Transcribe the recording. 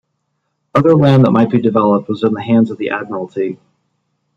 Other land that might be developed was in the hands of the Admiralty.